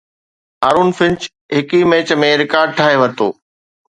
آرون فنچ هڪ ئي match ۾ record ٺاهي ورتو